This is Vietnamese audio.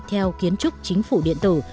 theo kiến trúc chính phủ điện tử